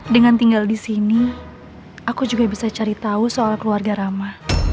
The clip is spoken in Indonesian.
dengan tinggal di sini aku juga bisa cari tahu soal keluarga rama